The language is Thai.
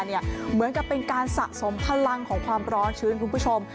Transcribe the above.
เหมือนกับเป็นการสะสมพลังของความร้อนชื้นคุณผู้ชม